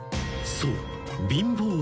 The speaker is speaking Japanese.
［そう］